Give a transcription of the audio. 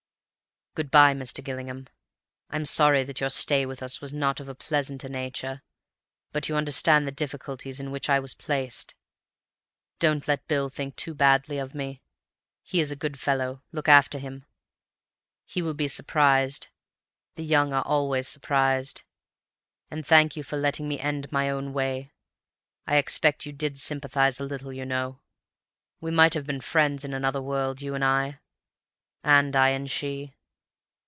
"Good bye, Mr. Gillingham. I'm sorry that your stay with us was not of a pleasanter nature, but you understand the difficulties in which I was placed. Don't let Bill think too badly of me. He is a good fellow; look after him. He will be surprised. The young are always surprised. And thank you for letting me end my own way. I expect you did sympathize a little, you know. We might have been friends in another world—you and I, and I and she.